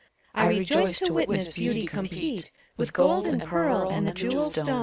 I rejoice to witness Beauty compete With gold and pearl and the jewel stone.